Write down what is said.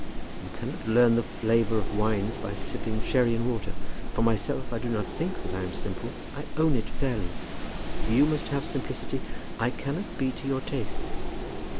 You cannot learn the flavour of wines by sipping sherry and water. For myself I do not think that I am simple. I own it fairly. If you must have simplicity, I cannot be to your taste."